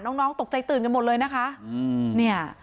น้องน้องตกใจตื่นกันหมดเลยนะคะอืมเนี่ย